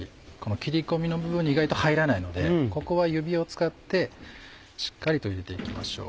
切り込みの部分に意外と入らないのでここは指を使ってしっかりと入れていきましょう。